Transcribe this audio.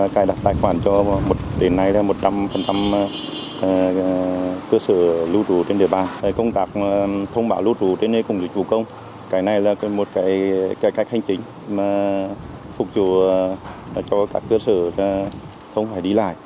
cái này là một cái cách hành chính mà phục vụ cho các cơ sở không phải đi lại